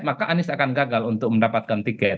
maka anies akan gagal untuk mendapatkan tiket